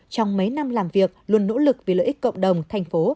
trong mấy năm làm việc luôn nỗ lực vì lợi ích cộng đồng thành phố